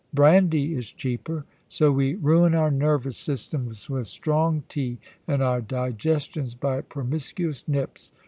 Brandy is cheaper. So we ruin our nervous systems with strong tea, and our digestions by promiscuous nips.